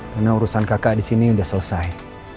karena urusan kakak disini sudah selesai